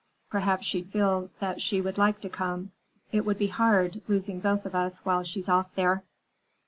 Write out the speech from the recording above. Perhaps she'd feel that she would like to come. It would be hard, losing both of us while she's off there."